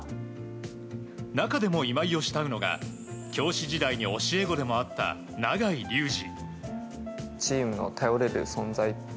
中でも今井を慕うのが教師時代に教え子でもあった永井竜二。